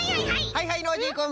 はいはいノージーくん。